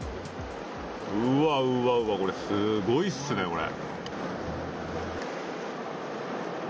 うわうわうわ、これすごいっすね、これ。